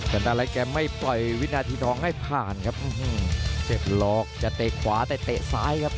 ตะดานไลส์แกไม่ปล่อยวินาทีน้องให้ผ่านครับเสร็จหลอกจะตะกขวาแต่ตะกซ้ายครับ